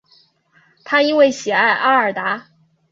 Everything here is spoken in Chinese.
他因为喜爱阿尔达。